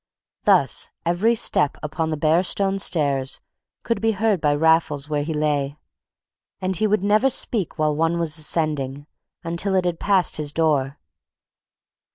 Thus every step upon the bare stone stairs could be heard by Raffles where he lay; and he would never speak while one was ascending, until it had passed his door.